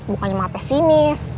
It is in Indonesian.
bukannya mah pesimis